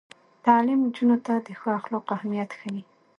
تعلیم نجونو ته د ښو اخلاقو اهمیت ښيي.